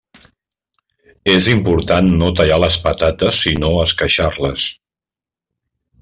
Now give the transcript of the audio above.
És important no tallar les patates sinó esqueixar-les.